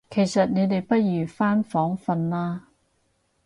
其實你哋不如返房訓啦